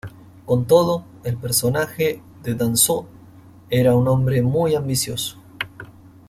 Con todo, el personaje de Danzō era un hombre muy ambicioso.